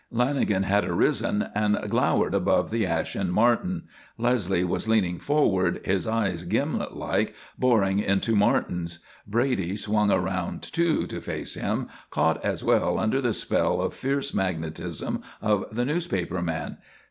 _" Lanagan had arisen and glowered above the ashen Martin. Leslie was leaning forward, his eyes, gimletlike, boring into Martin's. Brady swung around, too, to face him, caught as well under the spell of fierce magnetism of the newspaper man.